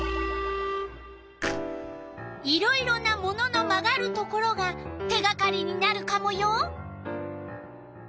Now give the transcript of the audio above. いろいろな物の曲がるところが手がかりになるカモよ。